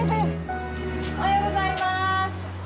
おはようございます！